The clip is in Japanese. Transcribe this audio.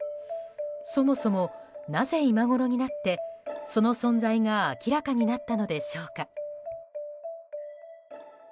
そもそも、なぜ今ごろになってその存在が明らかになったのでしょうか。